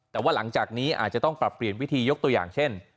แต่ว่าหลังจากนี้อาจจะต้องปรับเปลี่ยนวิธียกตัวอย่างเช่น